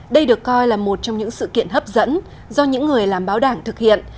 đây được coi là một trong những sự kiện hấp dẫn do những người làm báo đảng thực hiện